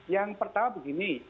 yang pertama begini